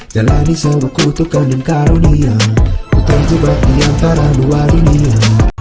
jalani sewaku tukang dengkarunia ku terjebak di antara dua dunia